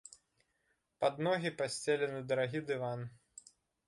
Пад ногі пасцелены дарагі дыван.